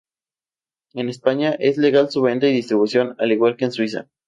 En España es legal su venta y distribución, al igual que en Suiza.